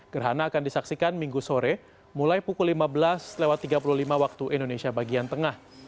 gerhana akan disaksikan minggu sore mulai pukul lima belas tiga puluh lima waktu indonesia bagian tengah